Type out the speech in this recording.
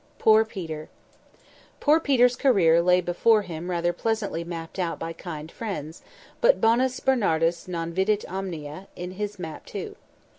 POOR PETER POOR Peter's career lay before him rather pleasantly mapped out by kind friends, but Bonus Bernardus non videt omnia, in this map too.